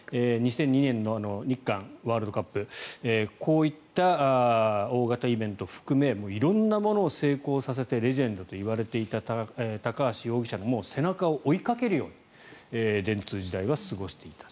２００２年の日韓ワールドカップこういった大型イベント含め色んなものを成功させてレジェンドといわれていた高橋容疑者の背中を追いかけるように電通時代は過ごしていた。